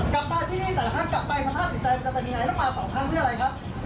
กลับมาที่นี่แต่ละครั้งกลับไปสภาพสินใจมันจะเป็นยังไงแล้วมาสองครั้งเพื่ออะไรครับ